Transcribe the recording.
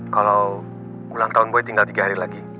kalau ulang tahun boy tinggal tiga hari lagi